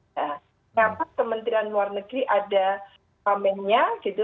mengapa kementerian luar negeri ada wamennya gitu